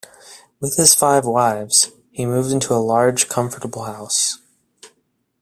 With his five wives he moved into a large comfortable house.